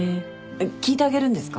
聞いてあげるんですか？